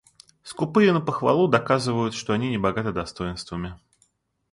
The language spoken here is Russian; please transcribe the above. Скупые на похвалу доказывают, что они небогаты достоинствами.